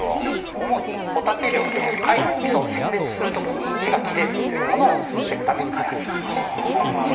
主にホタテ漁で貝の大きさを選別する時に手が切れるというものを防ぐために開発されました。